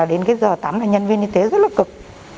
đến cái giờ tắm là nhân viên y tế rất là cực